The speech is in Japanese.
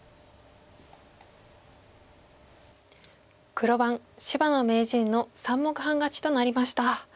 黒番芝野名人の３目半勝ちとなりました。